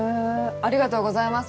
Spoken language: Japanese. ありがとうございます。